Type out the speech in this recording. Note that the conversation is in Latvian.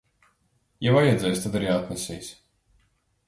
Ja vajadzēs, tad arī atnesīs.